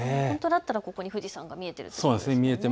本当だったら、ここに富士山が見えているんですよね。